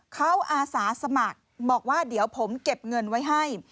เขาอาสาสมัครบอกว่าเดี๋ยวผมเก็บเงินไว้ให้